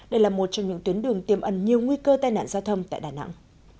đây là một trong những tuyến đường tiêm ẩn nhiều nguy cơ tai nạn giao thông tại đà nẵng